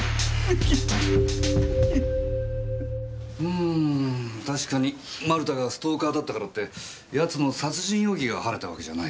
うん確かに丸田がストーカーだったからって奴の殺人容疑が晴れたわけじゃないっすけどね。